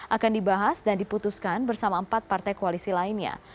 akan dibahas dan diputuskan bersama empat partai koalisi lainnya